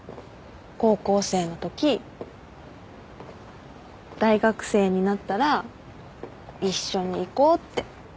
高校生のとき大学生になったら一緒に行こうって。